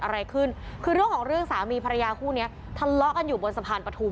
อะไรขึ้นคือเรื่องของเรื่องสามีภรรยาคู่เนี้ยทะเลาะกันอยู่บนสะพานปฐุม